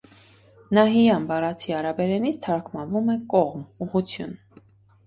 Նահիյան բառացի արաբերենից թարգմանվում է կողմ, ուղղություն։